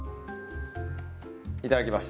いただきます！